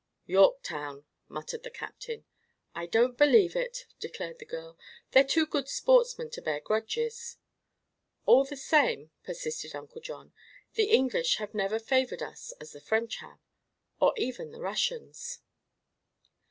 "Yorktown," muttered the captain. "I don't believe it," declared the girl. "They're too good sportsmen to bear grudges." "All the same," persisted Uncle John, "the English have never favored us as the French have, or even the Russians."